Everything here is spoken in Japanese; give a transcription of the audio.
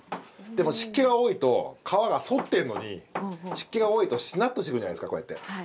でも湿気が多いと皮が反ってるのに湿気が多いとしなっとしてくるじゃないですかこうやって。